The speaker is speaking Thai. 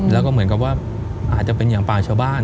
แล้วก็เหมือนกับว่าอาจจะเป็นอย่างป่าชาวบ้าน